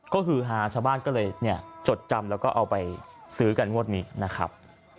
ก็คือฮาชาวบ้านก็เลยจดจำแล้วก็เอาไปซื้อกันงวดนี้นะครับ